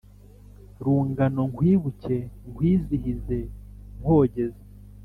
Rungano nkwibuke, nkwizihize nkogeza